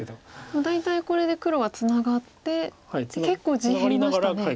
もう大体これで黒はツナがって結構地減りましたね。